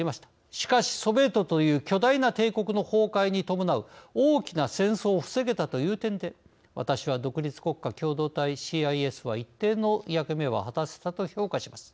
しかし、ソビエトという巨大な帝国の崩壊に伴う大きな戦争を防げたという点で私は、独立国家共同体ＣＩＳは一定の役目は果たせたと評価します。